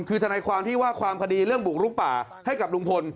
คือทนายความที่ว่าความคดีเรื่องบุกลุกป่าให้กับลุงพล